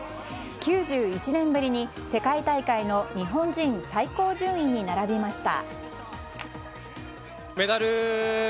９１年ぶりに世界大会の日本人最高順位に並びました。